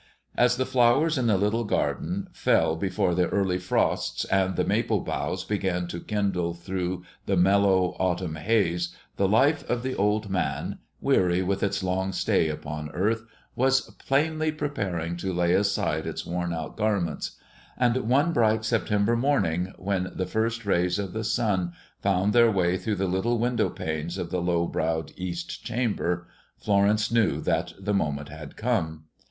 As the flowers in the little garden fell before the early frosts and the maple boughs began to kindle through the mellow autumn haze, the life of the old man, weary with its long stay upon earth, was plainly preparing to lay aside its worn out garments; and one bright September morning when the first rays of the sun found their way through the little window panes of the low browed east chamber, Florence knew that the moment had come.